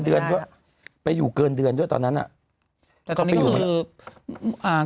เรือนจำพิเศษอยู่ตรงบางเขตนี้หรือเปล่า